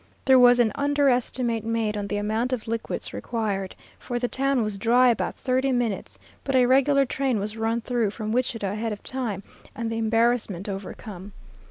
There was an underestimate made on the amount of liquids required, for the town was dry about thirty minutes; but a regular train was run through from Wichita ahead of time, and the embarrassment overcome.